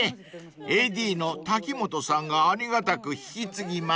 ［ＡＤのたきもとさんがありがたく引き継ぎます］